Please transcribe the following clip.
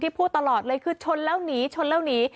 ที่พูดตลอดเลยคือชนแล้วหนี